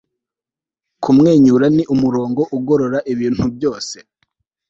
kumwenyura ni umurongo ugorora ibintu byose. - phyllis diller